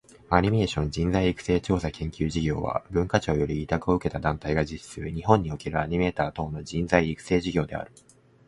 アニメーション人材育成調査研究事業（アニメーションじんざいいくせいちょうさけんきゅうじぎょう）は、文化庁より委託を受けた団体（後述）が実施する、日本におけるアニメーター等の人材育成事業である。